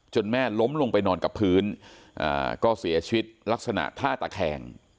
แม่ล้มลงไปนอนกับพื้นก็เสียชีวิตลักษณะท่าตะแคง